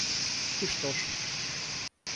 И что ж?